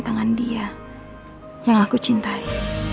tangan dia yang aku cintai